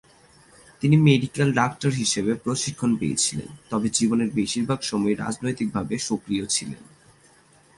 তিনি medical doctor হিসাবে প্রশিক্ষণ পেয়েছিলেন, তবে জীবনের বেশিরভাগ সময়ই রাজনৈতিকভাবে সক্রিয় ছিলেন।